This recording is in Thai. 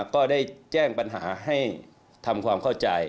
ก็ได้แจ้งปัญหาให้ทำความเข้าใจ